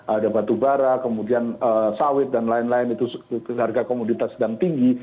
ada batu bara kemudian sawit dan lain lain itu harga komoditas sedang tinggi